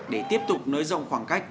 để tiếp tục nới rộng khoảng cách